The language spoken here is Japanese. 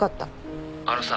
あのさ。